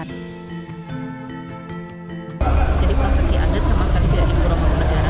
jadi prosesi adat sama sekali tidak imporan bangku negara